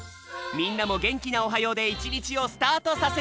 みんなもげんきな「おはよう」で１にちをスタートさせよう！